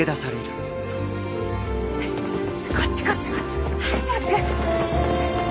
こっちこっちこっち。早く。